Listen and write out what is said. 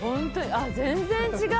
全然違う！